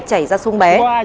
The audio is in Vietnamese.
chảy ra sông bé